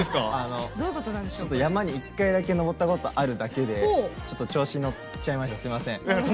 ちょっと山に１回だけ登ったことがあるだけで調子に乗っちゃいました。